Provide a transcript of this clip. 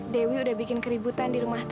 dewi udah bikin keributan di rumah